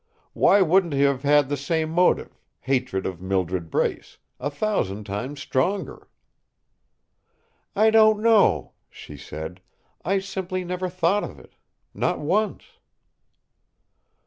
"Why wouldn't he have had the same motive, hatred of Mildred Brace, a thousand times stronger?" "I don't know," she said. "I simply never thought of it not once."